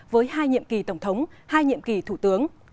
với hai nhiệm kỳ tổng thống hai nhiệm kỳ thủ tướng